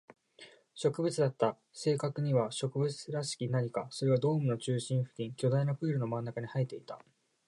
植物だった。正確には植物らしき何か。それがドームの中心付近、巨大なプールの真ん中に生えていた。